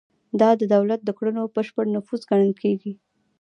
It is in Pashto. دا د دولت د کړنو بشپړ نفوذ ګڼل کیږي.